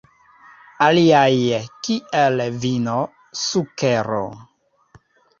Aliaj, kiel vino, sukero.